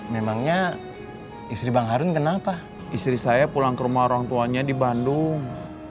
memangnya istri bang harun kenapa istri saya pulang ke rumah orang tuanya di bandung